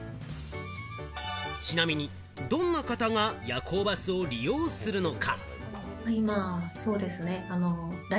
ちなみにどんな方が夜行バスを利用するのか？